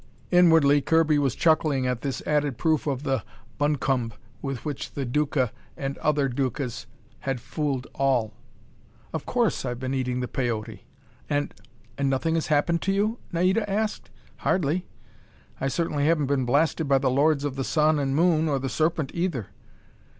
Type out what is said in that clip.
Inwardly Kirby was chuckling at this added proof of the buncumbe with which the Duca and other Ducas had fooled all. "Of course I've been eating the Peyote." "And and nothing has happened to you?" Naida asked. "Hardly. I certainly haven't been blasted by the Lords of the Sun and Moon, or the Serpent either!"